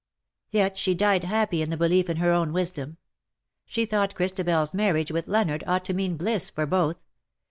Yet she died happy in the belief in her own wisdom. She thought ChristabeFs marriage with Leonard ought to mean bliss for both.